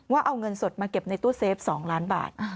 ว่าเอาเงินสดมาเก็บในตู้เซฟ๒ล้านบาท